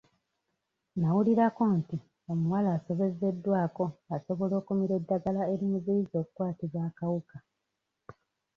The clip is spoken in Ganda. Nawulirako nti omuwala asobezeddwako asobola okumira eddagala erimuziyiza okukwatibwa akawuka.